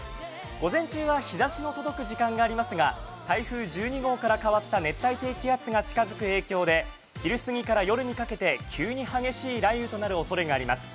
午前中は日ざしの届く時間がありますが台風１２号から変わった熱帯低気圧が近づく影響で昼すぎから夜にかけて急に激しい雷雨となるおそれがあります。